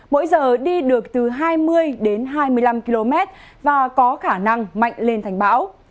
mỗi giờ đi được từ hai mươi đến hai mươi năm km và có khả năng mạnh lên thành bão